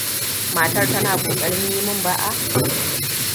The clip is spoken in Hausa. Matar tana kokarin yi min ba'a?